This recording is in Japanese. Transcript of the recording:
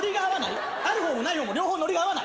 あるほうもないほうも両方ノリが合わない。